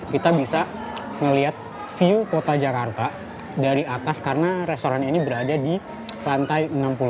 kita bisa melihat view kota jakarta dari atas karena restoran ini berada di lantai enam puluh dua